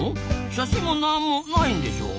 写真も何も無いんでしょ？